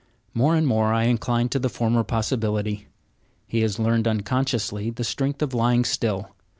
More and more I incline to the former possibility. He has learned unconsciously the strength of lying still.